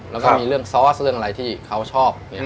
แล้วก็มีเรื่องซอสเรื่องอะไรที่เขาชอบ